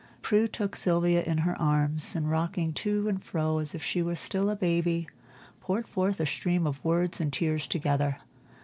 Prue took Sylvia in her arms, and rocking to and fro as if she were still a baby, poured forth a stream of words and tears together.